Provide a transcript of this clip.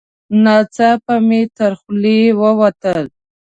نو ناڅاپه مې تر خولې ووتل: